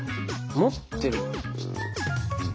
持ってる？